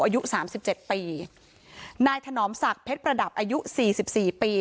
อายุสามสิบเจ็ดปีนายถนอมศักดิ์เพชรประดับอายุสี่สิบสี่ปี